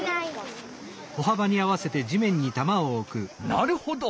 なるほど！